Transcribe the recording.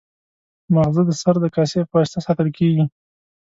ماغزه د سر د کاسې په واسطه ساتل کېږي.